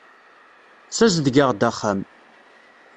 Ssazedgeɣ-d axxam.